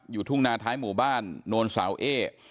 อยู่ทุ่งนาท้ายหมู่บ้านนวลสาวเอ